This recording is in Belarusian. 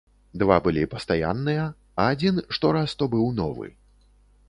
Два былі пастаянныя, а адзін штораз то быў новы.